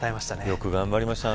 よく頑張りました。